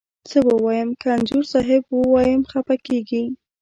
څه ووایم، که انځور صاحب ووایم خپه کږې.